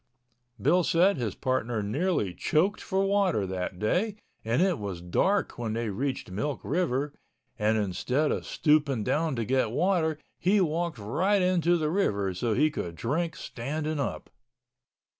Bill said his partner nearly choked for water that day and it was dark when they reached Milk River and instead of stooping down to get water he walked right into the river so he could drink standing up.